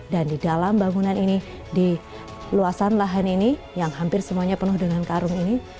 dan di dalam bangunan ini di luasan lahan ini yang hampir semuanya penuh dengan karung ini